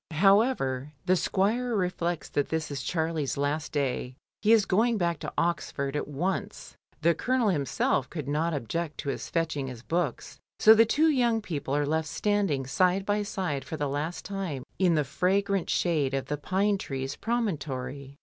However, thie squire reflects that this is Charlie's last day, he is going back to Oxford at once. The Colonel himself could not object to his* fetching his books. So the two young people are left standing side by side for the last time in the fragrant shade of the pine trees promontory.